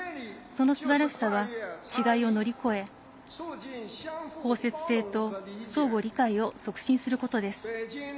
そのすばらしさは違いを乗り越え相互理解を促進することです。